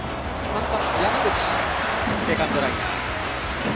３番、山口はセカンドライナー。